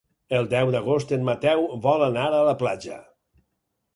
El deu d'agost en Mateu vol anar a la platja.